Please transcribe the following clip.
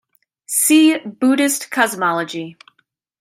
See "Buddhist cosmology".